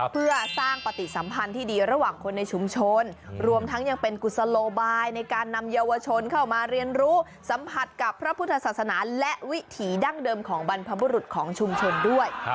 เพื่อสร้างปฏิสัมพันธ์ที่ดีระหว่างคนในชุมชนรวมทั้งยังเป็นกุศโลบายในการนำเยาวชนเข้ามาเรียนรู้สัมผัสกับพระพุทธศาสนาและวิถีดั้งเดิมของบรรพบุรุษของชุมชนด้วย